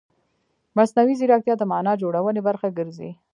مصنوعي ځیرکتیا د معنا جوړونې برخه ګرځي.